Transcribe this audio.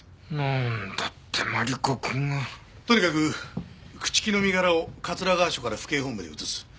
なんだってマリコくんが。とにかく朽木の身柄を桂川署から府警本部に移す。